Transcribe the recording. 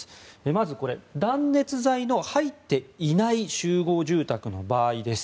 まず、断熱材の入っていない集合住宅の場合です。